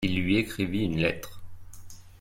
Il lui écrivit une lettre.